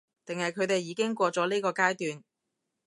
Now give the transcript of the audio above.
定係佢哋已經過咗呢個階段？